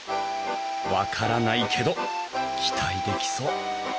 分からないけど期待できそう！